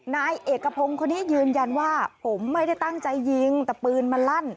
นายเอกพงศ์คนนี้ยืนยันว่าผมไม่ได้ตั้งใจยิงแต่ปืนมันลั่น